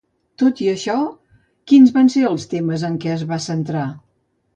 Tot i això, quins van ser els temes en què es va centrar?